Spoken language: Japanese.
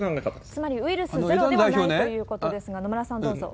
つまり、ウイルスゼロではないということですが、野村さん、どうぞ。